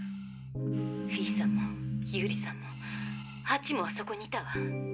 フィーさんもユーリさんもハチもあそこにいたわ。